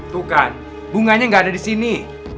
tuh kan bunganya gak ada di sini